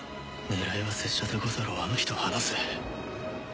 狙いは拙者でござろうあの人を放せ。